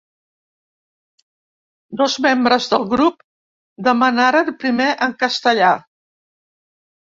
Dos membres del grup demanaren primer en castellà.